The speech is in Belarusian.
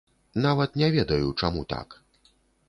Нават не ведаю, чаму так.